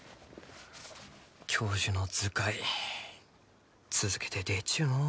教授の「図解」続けて出ちゅうのう。